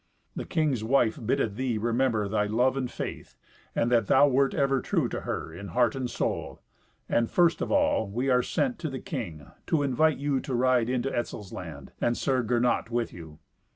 The king's wife biddeth thee remember thy love and faith, and that thou wert ever true to her in heart and soul. And, first of all, we are sent to the king, to invite you to ride into Etzel's land, and Sir Gernot with you.